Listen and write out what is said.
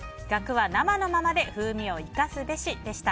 ガクは生のままで風味を活かすべし。